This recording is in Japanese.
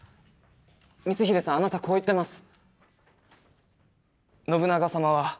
光秀さんあなたこう言ってます。